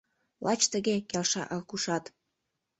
Лач тыге! — келша Аркушат.